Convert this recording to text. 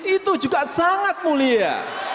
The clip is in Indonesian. itu juga sangat mulia